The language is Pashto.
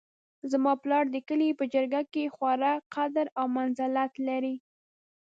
زما پلار د کلي په جرګه کې خورا قدر او منزلت لري